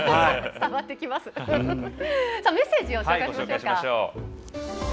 メッセージをご紹介しましょう。